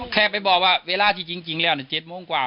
แค่ไปบอกว่าเวลาที่จริงแล้ว๗โมงกว่า